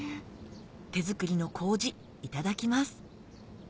手作りの麹いただきます